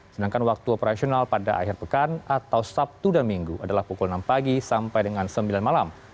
sedangkan waktu operasional pada akhir pekan atau sabtu dan minggu adalah pukul enam pagi sampai dengan sembilan malam